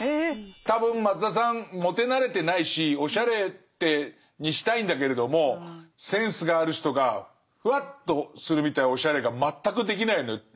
多分松田さんモテなれてないしおしゃれにしたいんだけれどもセンスがある人がふわっとするみたいなおしゃれが全くできないのよ。